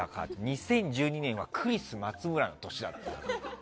２０１２年はクリス松村の年だった。